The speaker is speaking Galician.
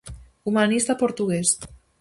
Humanista portugués.